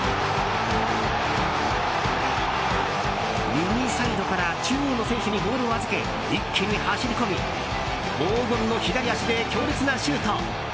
右サイドから中央の選手にボールを預け一気に走り込み黄金の左足で強烈なシュート。